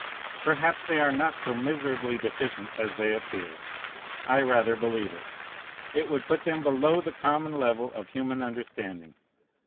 Perhaps they are not so miserably deficient as they appear. I rather believe it. It would put them below the common level of human understanding.